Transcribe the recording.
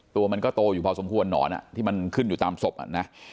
ตัวมันก็โตอยู่พอสมควรหนอนที่มันขึ้นอยู่ตามศพอ่ะนะ